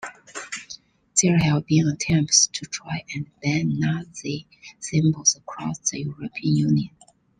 There have been attempts to try and ban Nazi symbols across the European Union.